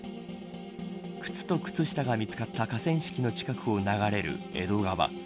靴と靴下が見つかった河川敷の近くを流れる江戸川。